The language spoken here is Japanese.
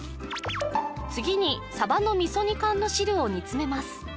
次にサバの味噌煮缶の汁を煮詰めます